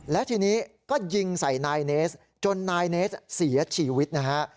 แล้วทีนี้ก็ยิงใส่นายเนสจนนายเนสเสียชีวิตนะฮะ